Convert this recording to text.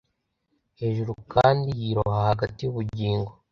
hejuru kandi yiroha hagati yubugingo